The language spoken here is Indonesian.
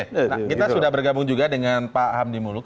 nah kita sudah bergabung juga dengan pak hamdi muluk